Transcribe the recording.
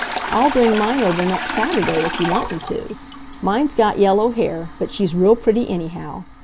I'll bring mine over next Saturday, if you want me to. Mine's got yellow hair, but she's real pretty anyhow.